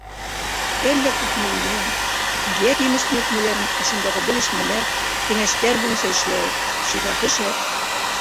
Әллә күпме үлән, еләк-емеш төнәтмәләрен ошондағы белешмәләр, кәңәштәр буйынса эшләй ул. Шифаһы шәп!